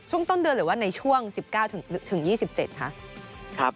ช่วงต้นเดือนหรือว่าในช่วง๑๙๒๗นะครับ